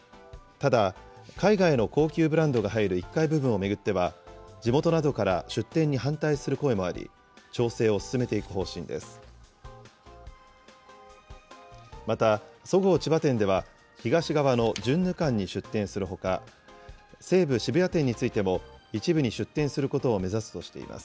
ただ、海外の高級ブランドが入る１階部分を巡っては、地元などから出店に反対する声もあり、調整を進めていく方針です。